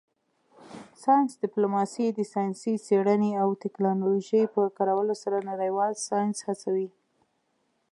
ساینس ډیپلوماسي د ساینسي څیړنې او ټیکنالوژۍ په کارولو سره نړیوال ساینس هڅوي